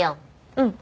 うん。